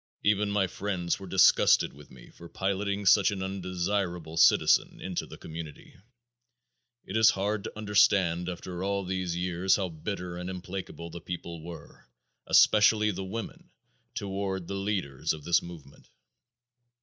Even my friends were disgusted with me for piloting such an "undesirable citizen" into the community. It is hard to understand, after all these years, how bitter and implacable the people were, especially the women, toward the leaders of this movement.